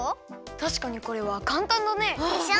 たしかにこれはかんたんだね。でしょ？